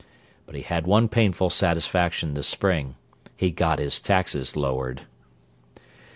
But he had one painful satisfaction this spring: he got his taxes lowered!"